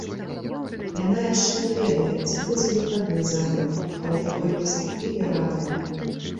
Яна яшчэ не ведае, ці будзе выхадны за гэта, але такой перспектыве радая.